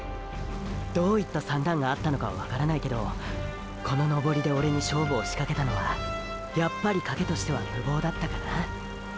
どういった算段があったのかはわからないけどこの登りでオレに勝負をしかけたのはやっぱり賭けとしてはムボウだったかな？